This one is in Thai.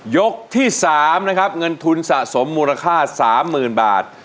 ยกที่๓นะครับเงินทุนสะสมมูลค่า๓๐๐๐บาท